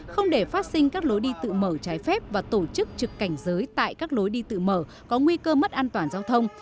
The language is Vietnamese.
không để phát sinh các lối đi tự mở trái phép và tổ chức trực cảnh giới tại các lối đi tự mở có nguy cơ mất an toàn giao thông